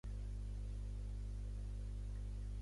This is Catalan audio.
Amb l'ús de seu de la Comunitat de Madrid, es va remodelar.